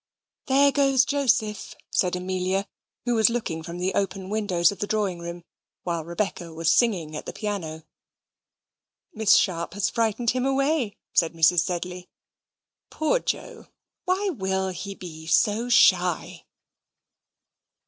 "There goes Joseph," said Amelia, who was looking from the open windows of the drawing room, while Rebecca was singing at the piano. "Miss Sharp has frightened him away," said Mrs. Sedley. "Poor Joe, why WILL he be so shy?"